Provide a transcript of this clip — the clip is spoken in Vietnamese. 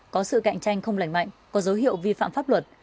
có sự cạnh tranh không lành mạnh có dấu hiệu vi phạm pháp luật